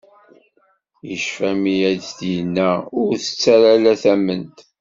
Yecfa mi i d as-yenna ur tett ala s tamment.